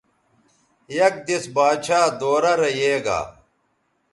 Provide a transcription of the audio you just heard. یک دیس باچھا دورہ رے یے گا